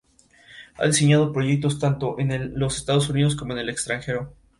Un elemento puede tener varios isótopos, cuyos núcleos tienen un número distinto de neutrones.